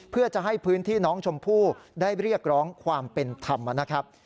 เพื่อจะให้พื้นที่น้องชมพู่ได้เรียกร้องความเป็นธรรมนะครับ